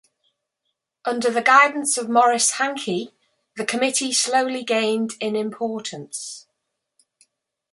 Under the guidance of Maurice Hankey, the Committee slowly gained in importance.